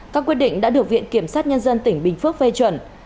các quyết định đã được viện kiểm sát nhân dân tỉnh bình phước phê chuẩn